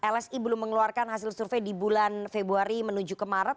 lsi belum mengeluarkan hasil survei di bulan februari menuju ke maret